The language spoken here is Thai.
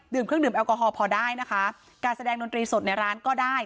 เครื่องดื่มแอลกอฮอลพอได้นะคะการแสดงดนตรีสดในร้านก็ได้